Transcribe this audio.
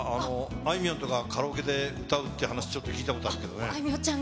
あいみょんとかカラオケで歌うっていう話を、ちょっと聞いたことあいみょん